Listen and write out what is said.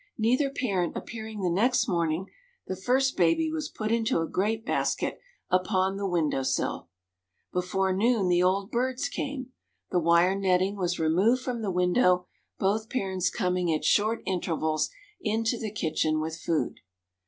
Neither parent appearing the next morning, the first baby was put into a grape basket upon the window sill. Before noon the old birds came; the wire netting was removed from the window, both parents coming at short intervals into the kitchen with food.